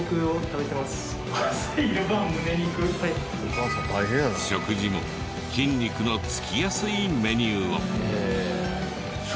食事も筋肉の付きやすいメニューを。